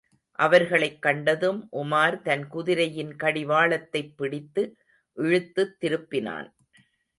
அவர்களைக் கண்டதும், உமார் தன் குதிரையின் கடிவாளத்தைப் பிடித்து இழுத்துத் திருப்பினான்.